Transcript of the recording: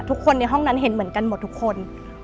ทุกคนในห้องนั้นเห็นเหมือนกันหมดทุกคน